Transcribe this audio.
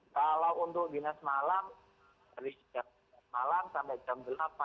kalau untuk dinas malam dari sejak malam sampai jam delapan